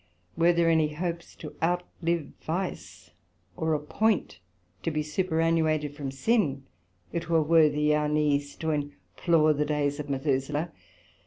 Were there any hopes to outlive vice, or a point to be super annuated from sin, it were worthy our knees to implore the days of Methuselah.